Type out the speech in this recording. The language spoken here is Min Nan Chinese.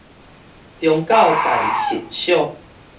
中教大實小